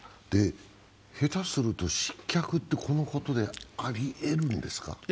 下手すると失脚って、このことでありえるんですか？